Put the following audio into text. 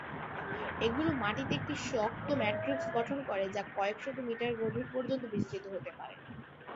এগুলো মাটিতে একটি শক্ত ম্যাট্রিক্স গঠন করে, যা কয়েকশত মিটার গভীর পর্যন্ত বিস্তৃত হতে পারে।